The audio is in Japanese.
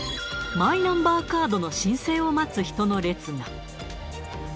マイナンバーカードの申請を待つ人の列が。